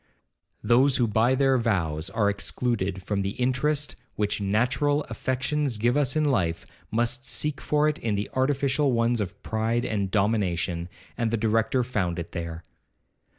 Those who by their vows are excluded from the interest which natural affections give us in life, must seek for it in the artificial ones of pride and domination, and the Director found it there.